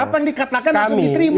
apa yang dikatakan atau diterima